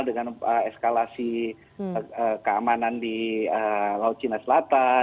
dengan eskalasi keamanan di laut cina selatan